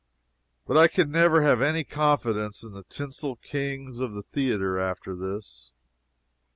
But I can never have any confidence in the tinsel kings of the theatre after this.